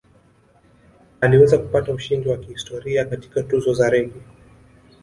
Aliweza kupata ushindi wa kihistoria katika Tuzo za Reggae